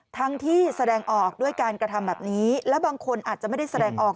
ซ์ทางที่แสดงออกกาญกระทำแบบนี้